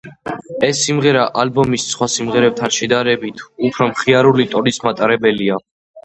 ეს სიმღერა, ალბომის სხვა სიმღერებთან შედარებით, უფრო მხიარული ტონის მატარებელია.